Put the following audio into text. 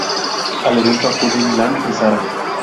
Al evento acuden Ian y Sarah.